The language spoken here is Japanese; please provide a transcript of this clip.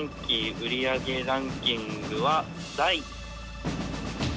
売り上げランキングは第」